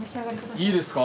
いいですか？